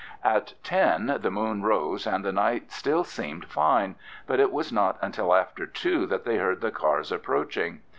At ten the moon rose and the night still remained fine, but it was not until after two that they heard the cars approaching.